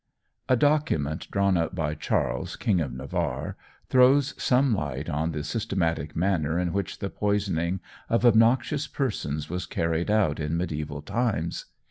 A document drawn up by Charles, King of Navarre, throws some light on the systematic manner in which the poisoning of obnoxious persons was carried out in mediæval times.